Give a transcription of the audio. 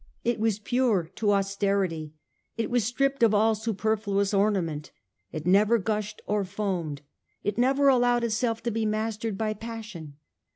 It was pure to austerity; it was stripped of all superfluous orna ment. It never gushed or foamed. It never allowed itself to be mastered by passion.